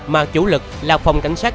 mà chủ lực là phòng cảnh sát